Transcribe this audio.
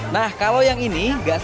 nah kalau yang ini gak sedih